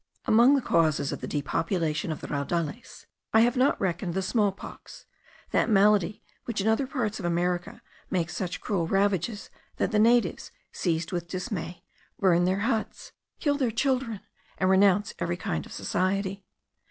Among the causes of the depopulation of the Raudales, I have not reckoned the small pox, that malady which in other parts of America makes such cruel ravages that the natives, seized with dismay, burn their huts, kill their children, and renounce every kind of society.